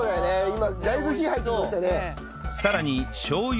今だいぶ火入ってきましたね。